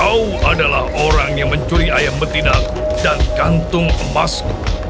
aku adalah orang yang mencuri ayam betina dan kantung emasmu